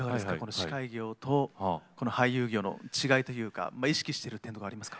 司会業と俳優業の違いというか意識してる点はありますか？